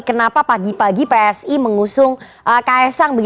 kenapa pagi pagi psi mengusung kaisang